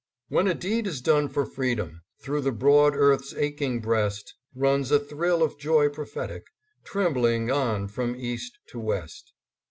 " When a deed is done for freedom, Through the broad earth's aching breast Runs a thrill of joy prophetic, Trembling on from east to west."